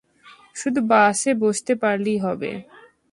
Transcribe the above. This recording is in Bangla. শুধু বাসে বসতে পারলেই হবে।